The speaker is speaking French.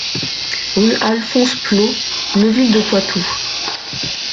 Rue Alphonse Plault, Neuville-de-Poitou